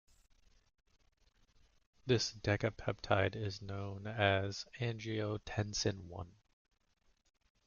This decapeptide is known as angiotensin I.